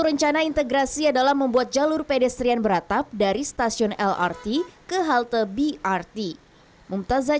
rencana integrasi adalah membuat jalur pedestrian beratap dari stasiun lrt ke halte brt mumtazah